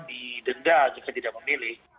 didenda jika tidak memilih